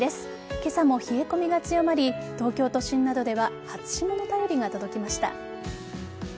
今朝も冷え込みが強まり東京都心などでは初霜の便りが届きました。